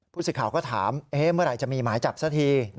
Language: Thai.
ผู้สื่อข่าวก็ถามเมื่อไหร่จะมีหมายจับซะที